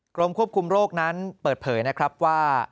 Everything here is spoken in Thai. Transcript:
กรมควบคุมโรคนั้นเปิดเผยนะครับว่า